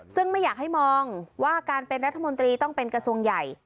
ซึ่งไม่อยากให้มองว่าการเป็นรัฐมนตรีต้องเป็นกระทรวงใหญ่